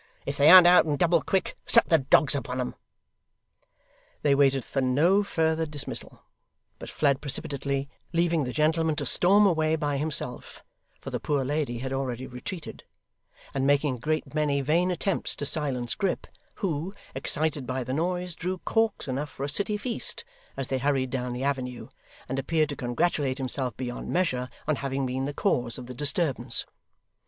If they an't out in double quick, set the dogs upon 'em!' They waited for no further dismissal, but fled precipitately, leaving the gentleman to storm away by himself (for the poor lady had already retreated), and making a great many vain attempts to silence Grip, who, excited by the noise, drew corks enough for a city feast as they hurried down the avenue, and appeared to congratulate himself beyond measure on having been the cause of the disturbance.